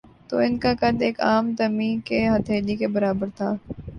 تو ان کا قد ایک عام دمی کی ہتھیلی کے برابر تھا